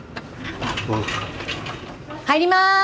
入ります。